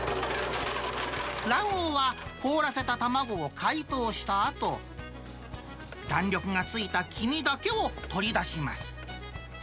卵黄は凍らせた卵を解凍したあと、弾力がついた黄身だけを取り出します。